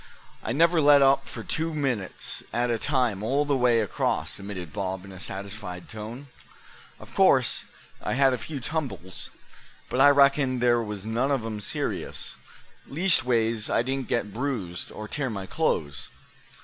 "I never let up for two minutes at a time all the way across," admitted Bob, in a satisfied tone. "Of course I had a few tumbles, but I reckon there was none of 'em serious; leastways I didn't get bruised, or tear my clothes.